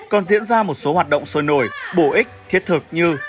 còn diễn ra một số hoạt động sôi nổi bổ ích thiết thực như